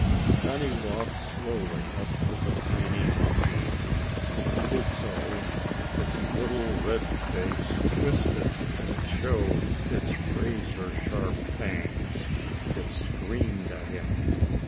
Johnny walked slowly up to the tiny monkey. As he did so, its little red face twisted and it showed its razor sharp fangs. It screamed at him.